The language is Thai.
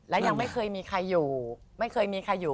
และยังไม่เคยมีใครอยู่